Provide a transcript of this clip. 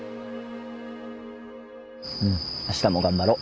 うん明日も頑張ろう。